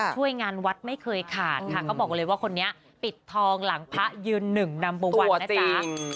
ช่วยงานวัดไม่เคยขาดค่ะเขาบอกเลยว่าคนนี้ปิดทองหลังพระยืนหนึ่งนัมเบอร์วันนะจ๊ะ